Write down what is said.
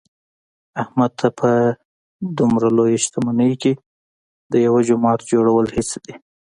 احمد ته په دمره لویه شتمنۍ کې د یوه جومات جوړل هېڅ دي.